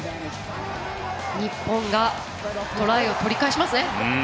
日本がトライを取り返します。